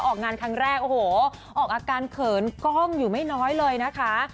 ออกงานครั้งแรกโอ้โหออกอาการเขินกล้องอยู่ไม่น้อยเลยนะคะ